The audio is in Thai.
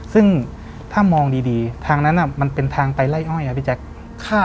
ซึ่งถ้ามองดีทางนั้นมันเป็นทางไปไล่อ้อยครับพี่แจ๊ค